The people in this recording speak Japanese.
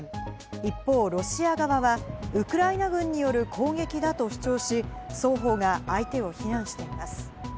一方、ロシア側はウクライナ側による攻撃だと主張し、双方が相手を非難しています。